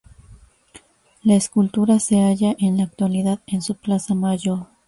La escultura se halla en la actualidad en su plaza Mayor